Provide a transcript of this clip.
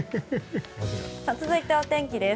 続いてお天気です。